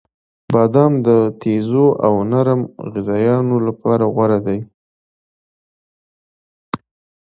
• بادام د تیزو او نرم غذایانو لپاره غوره دی.